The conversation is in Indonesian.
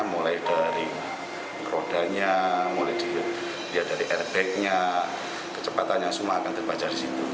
mulai dari rodanya mulai dari airbagnya kecepatannya semua akan terbaca di situ